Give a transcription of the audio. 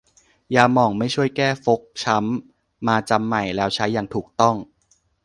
ยาหม่องไม่ช่วยแก้ฟกช้ำ มาจำใหม่และใช้อย่างถูกต้อง